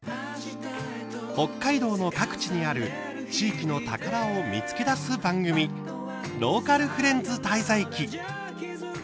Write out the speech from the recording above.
北海道の各地にある地域の宝を見つけ出す番組「ローカルフレンズ滞在記」。